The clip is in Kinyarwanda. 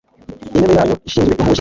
intebe yawo ishyizwe ihuye